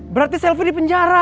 berarti selvi di penjara